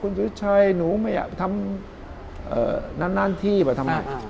คุณสุชัยหนูไม่อยากทำงานที่ไปทำงาน